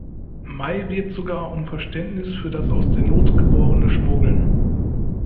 May wirbt sogar um Verständnis für das aus der Not geborene Schmuggeln.